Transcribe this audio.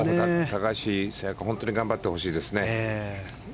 高橋彩華は本当に頑張ってほしいですね。